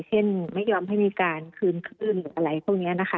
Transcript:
เช่นไม่ยอมให้มีการคืนขึ้นหรืออะไรพวกนี้นะคะ